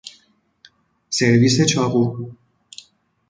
سرویس چاقو